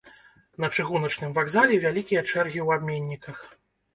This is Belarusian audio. На чыгуначным вакзале вялікія чэргі ў абменніках.